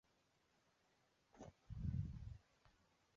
医疗百科是一个类似维基百科以医疗资讯为主的开放内容计划。